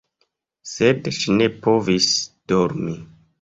Sed ŝi ne povis dormi.